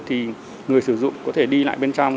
thì người sử dụng có thể đi lại bên trong